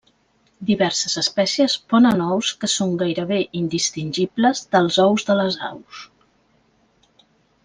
Diverses espècies ponen ous que són gairebé indistingibles dels ous de les aus.